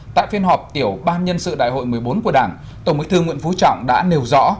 tại phiên họp tiểu ban nhân sự đại hội một mươi bốn của đảng tổng bí thư nguyễn phú trọng đã nêu rõ